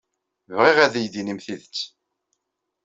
Bɣiɣ ad iyi-d-inim tidet.